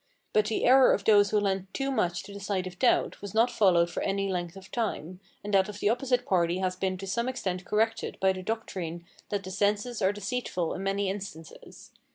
But the error of those who leant too much to the side of doubt, was not followed for any length of time, and that of the opposite party has been to some extent corrected by the doctrine that the senses are deceitful in many instances.